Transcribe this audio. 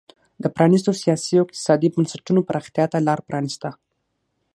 د پرانیستو سیاسي او اقتصادي بنسټونو پراختیا ته لار پرانېسته.